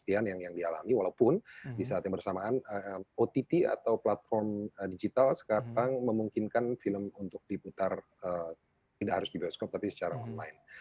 kelebihan yang dialami walaupun di saat yang bersamaan ott atau platform digital sekarang memungkinkan film untuk diputar tidak harus di bioskop tapi secara online